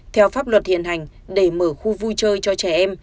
theo pháp luật hiện hành để mở khu vui chơi cho trẻ em